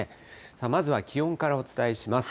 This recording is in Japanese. まずは気温からお伝えします。